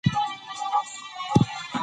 هغه وايي، ژمنې باید معقولې وي.